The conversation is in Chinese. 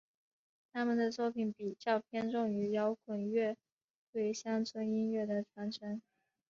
他们的作品比较偏重于摇滚乐对乡村音乐的传承。